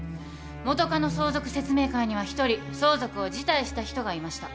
元カノ相続説明会には一人相続を辞退した人がいました。